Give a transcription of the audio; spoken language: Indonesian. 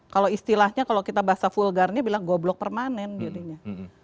kalau istilahnya kalau kita bahasa vulgarnya bilang goblok permanen jadinya